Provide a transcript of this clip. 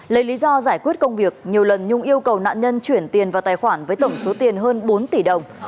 lấy lý do giải quyết công việc nhiều lần nhung yêu cầu nạn nhân chuyển tiền vào tài khoản với tổng số tiền hơn bốn tỷ đồng